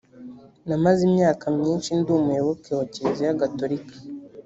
namaze imyaka myinshi ndi umuyoboke wa kiliziya gatolika